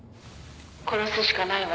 「殺すしかないわ」